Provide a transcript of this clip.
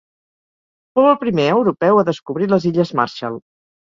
Fou el primer europeu a descobrir les illes Marshall.